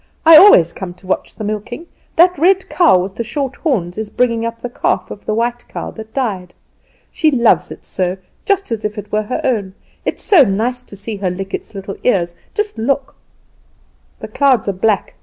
I always come to watch the milking. That red cow with the short horns is bringing up the calf of the white cow that died. She loves it so just as if it were her own. It is so nice to see her lick its little ears. Just look!" "The clouds are black.